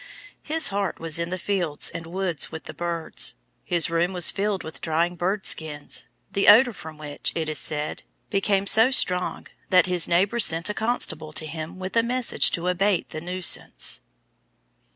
His heart was in the fields and woods with the birds. His room was filled with drying bird skins, the odour from which, it is said, became so strong that his neighbours sent a constable to him with a message to abate the nuisance.